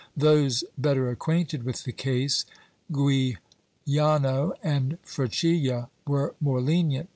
Those better acquainted with the case, Guijano and Frechilla, were more lenient.